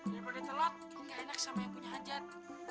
daripada telat gak enak sama yang punya hajat